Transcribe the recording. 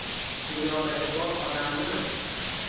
Dunyodagi bor odamni